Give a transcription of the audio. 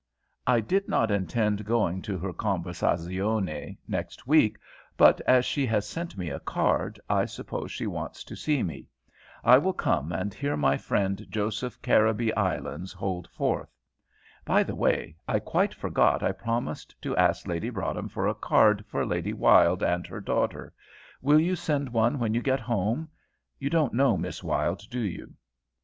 "I did not intend going to her conversazione next week, but as she has sent me a card I suppose she wants to see me. I will come and hear my friend Joseph Caribbee Islands hold forth. By the way, I quite forgot I promised to ask Lady Broadhem for a card for Lady Wylde and her daughter; will you send one when you get home? You don't know Miss Wylde, do you?"